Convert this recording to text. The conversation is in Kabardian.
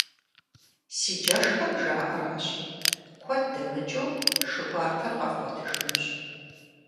Си джэшхэм жаӀэращ: куэд дэмыкӀыу, шы гуартэр къэвгъуэтыжынущ.